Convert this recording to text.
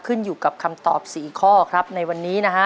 ขึ้นอยู่กับคำตอบ๔ข้อครับในวันนี้นะฮะ